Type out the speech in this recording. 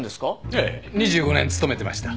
ええ２５年勤めてました。